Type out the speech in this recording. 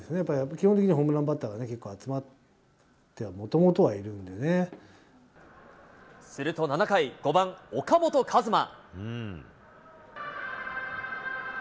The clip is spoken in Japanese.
基本的にはホームランバッターが結構集まってはもともとはいるんすると７回、５番岡本和真。